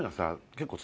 結構。